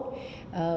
hình dung tốt hơn